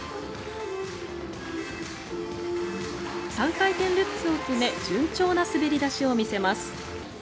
３回転ルッツを決め順調な滑り出しを見せます。